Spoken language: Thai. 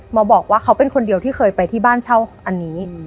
มาบอกว่าเขาเป็นคนเดียวที่เคยไปที่บ้านเช่าอันนี้